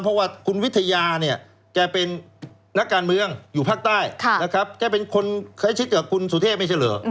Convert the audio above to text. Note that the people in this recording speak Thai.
เพราะว่าคุณวิทยาเนี่ยแกเป็นนักการเมืองอยู่ภาคใต้นะครับแกเป็นคนใกล้ชิดกับคุณสุเทพไม่ใช่เหรอ